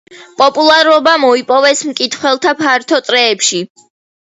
პოპულარობა მოიპოვეს მკითხველთა ფართო წრეებში.